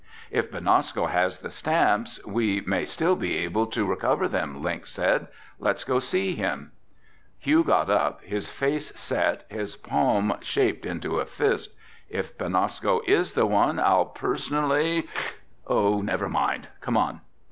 "If Benasco has the stamps, we may still be able to recover them," Link said. "Let's go see him." Hugh got up, his face set, his palm shaped into a fist. "If Benasco is the one, I'll personally—oh, never mind! Come on!"